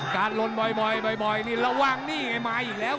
ลนบ่อยนี่ระวังนี่ไงมาอีกแล้ว